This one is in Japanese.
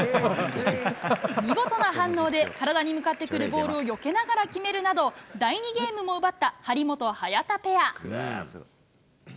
見事な反応で、体に向かってくるボールをよけながら決めるなど、第２ゲームも奪った張本・早田ペア。